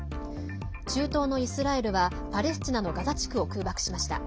中東のイスラエルはパレスチナのガザ地区を空爆しました。